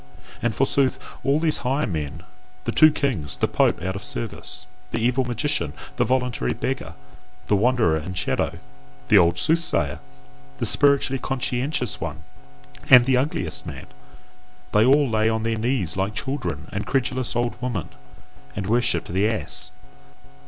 And forsooth! all these higher men, the two kings, the pope out of service, the evil magician, the voluntary beggar, the wanderer and shadow, the old soothsayer, the spiritually conscientious one, and the ugliest man they all lay on their knees like children and credulous old women, and worshipped the ass.